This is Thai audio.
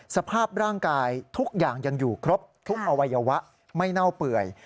สภาพร่างกายทุกอย่างยังอยู่ครบทุกอวัยวะไม่เน่าเปื่อย